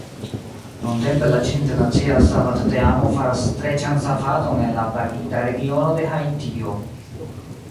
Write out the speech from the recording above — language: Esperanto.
Nuntempe, la ĉina internacia savadteamo faras streĉan savadon en la plagita regiono de Haitio.